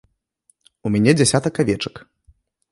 У мяне дзясятак авечак.